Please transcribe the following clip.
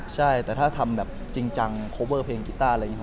ใช่แต่ถ้าทำจริงจังคอเวอร์เพลงกิตาร์อะไรอย่างงี้